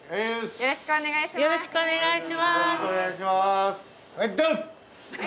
よろしくお願いします